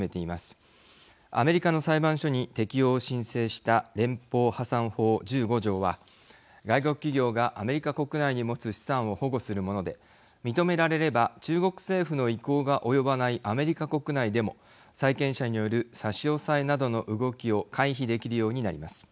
アメリカの裁判所に適用を申請した連邦破産法１５条は外国企業がアメリカ国内に持つ資産を保護するもので認められれば中国政府の意向が及ばないアメリカ国内でも債権者による差し押さえなどの動きを回避できるようになります。